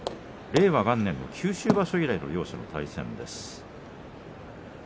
令和元年の九州場所以来の両者の対戦です。